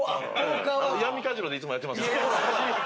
闇カジノでいつもやってますので。